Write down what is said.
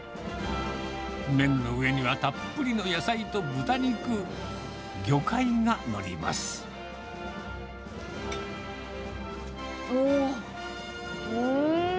麺の上にはたっぷりの野菜と豚肉、おお、うーん！